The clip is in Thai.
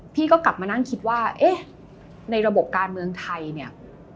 พี่ก็กลับมานั่งคิดว่าในระบบการเมืองไทย